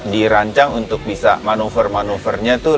dirancang untuk bisa manuver manuvernya itu